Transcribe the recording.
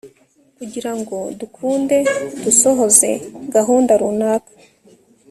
kugira ngo dukunde dusohoze gahunda runaka